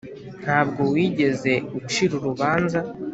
ntabwo wigeze ucira urubanza.